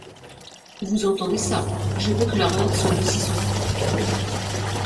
Vous entendez ça, je veux que la rente soit de six cents francs...